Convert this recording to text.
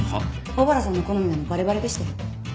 小原さんの好みなのバレバレでしたよ。